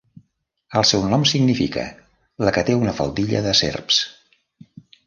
El seu nom significa 'la que té una faldilla de serps'.